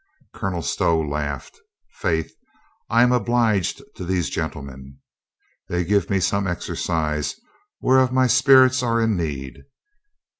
Colonel Stow laughed. "Faith, I am obliged to these gentlemen. They g^ve me some exercise whereof my spirits are in need.